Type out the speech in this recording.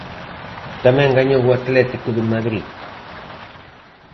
Tamén gañou o Atlético de Madrid.